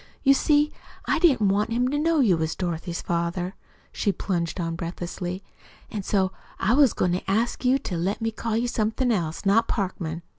You see, I didn't want him to know you was Dorothy's father," she plunged on breathlessly, "an' so I was goin' to ask you to let me call you somethin' else not Parkman.